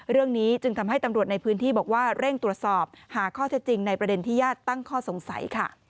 เรื่องนี้จึงทำให้ตำรวจในพื้นที่บอกว่าเร่งตรวจสอบหาข้อเท็จจริงในประเด็นที่ญาติตั้งข้อสงสัยค่ะ